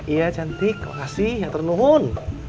iya cantik kasih yang ternuhun